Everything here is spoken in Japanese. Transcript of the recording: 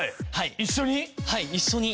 はい一緒に。